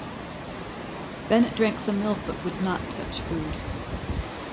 Bennet drank some milk but would not touch food.